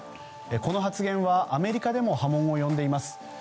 この発言はアメリカでも波紋を呼んでいます。